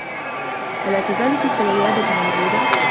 ألا تزال تلك العيادة موجودة؟